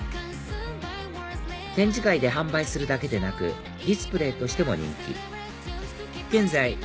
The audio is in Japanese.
展示会で販売するだけでなくディスプレーとしても人気現在